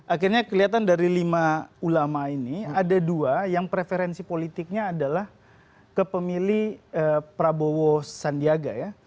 akhirnya kelihatan dari lima ulama ini ada dua yang preferensi politiknya adalah ke pemilih prabowo sandiaga ya